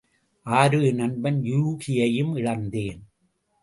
ஆருயிர் நண்பன் யூகியையும் இழந்தேன்!